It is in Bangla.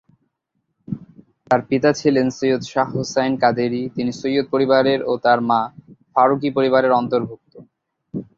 তার পিতা ছিলেন সৈয়দ শাহ হোসাইন কাদেরী, তিনি সৈয়দ পরিবারের এবং তার মা ফারুকী পরিবারের অন্তর্ভুক্ত।